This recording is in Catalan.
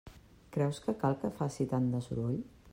Creus que cal que faci tant de soroll?